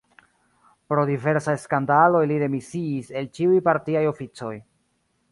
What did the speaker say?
Pro diversaj skandaloj li demisiis el ĉiuj partiaj oficoj.